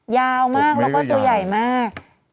ยาวมากแล้วก็ตัวใหญ่มาก